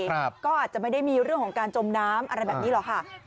ก็อาจจะไม่ได้มีเรื่องของการจมน้ำอะไรแบบนี้หรอกค่ะ